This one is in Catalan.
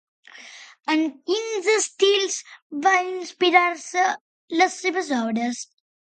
En quins estils van inspirar-se les seves obres?